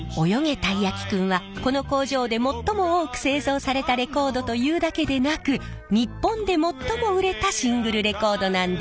たいやきくん」はこの工場で最も多く製造されたレコードというだけでなく日本で最も売れたシングルレコードなんです。